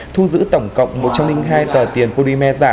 thu giữ tổng cộng một trăm linh hai tờ tiền polymer giả